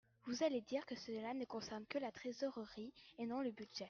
Vous allez dire que cela ne concerne que la trésorerie et non le budget.